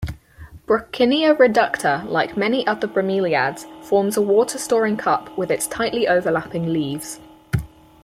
"Brocchinia reducta", like many other bromeliads, forms a water-storing cup with its tightly-overlapping leaves.